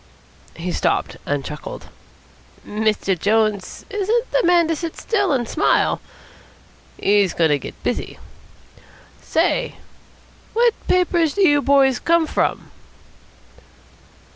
he stopped and chuckled, "Mr. Jones isn't the man to sit still and smile. He's going to get busy. Say, what paper do you boys come from?"